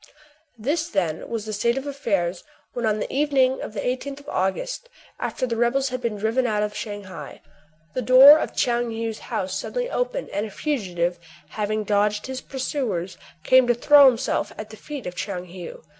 This, then, was the state of affairs when, on the evening of the i8th of August, after the rebels had been driven out of Shang hai, the door of Tchoung Heou*s house suddenly opened, and a fugitive, having dodged his pursuers, came to throw himself at the feet of Tchoung Heou.